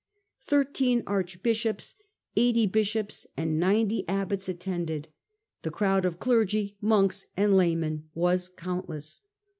Thirteen archbisliops, eighty bishops, and jjj mnety abbots attended; the crowd of clergy, monks, ftie connoflof ^^^ laymen was countless.